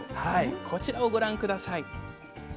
こちらをご覧下さい。